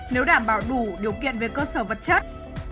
nếu đảm bảo đủ điều kiện về cơ sở vật chất